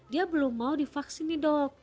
dia belum mau divaksin nih dok